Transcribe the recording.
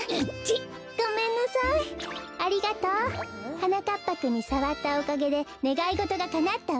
はなかっぱくんにさわったおかげでねがいごとがかなったわ。